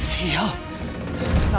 biar aku yang kejar firman